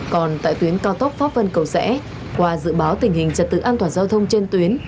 còn tại tuyến cao tốc pháp vân cầu rẽ qua dự báo tình hình trật tự an toàn giao thông trên tuyến